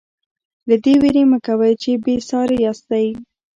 له دې وېرې مه کوئ چې بې ساري یاستئ.